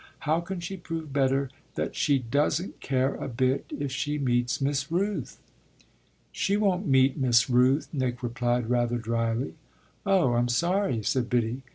how can she prove better that she doesn't care a bit if she meets Miss Rooth?" "She won't meet Miss Rooth," Nick replied rather dryly. "Oh I'm sorry!" said Biddy.